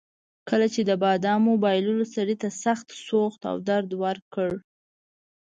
کله چې د بادامو بایللو سړي ته سخت سوخت او درد ورکړ.